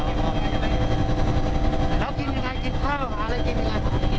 นอนกับเครื่องกับบิน